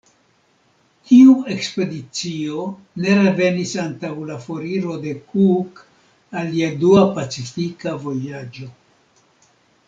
Tiu ekspedicio ne revenis antaŭ la foriro de Cook al lia dua Pacifika vojaĝo.